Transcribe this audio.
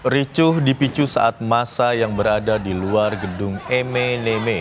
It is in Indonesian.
ricuh dipicu saat masa yang berada di luar gedung eme neme